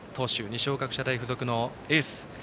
二松学舎大付属のエース。